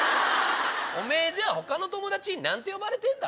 おめぇ他の友達に何て呼ばれてんだ？